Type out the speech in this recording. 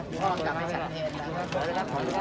พี่พ่อกลับไปชะเทศนะพี่พ่อกลับไปชะเทศนะ